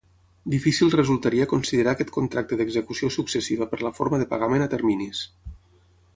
Difícil resultaria considerar aquest contracte d'execució successiva per la forma de pagament a terminis.